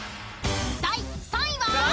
［第３位は？］